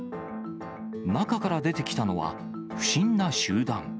中から出てきたのは、不審な集団。